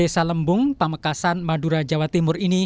sleman pamekasan jawa timur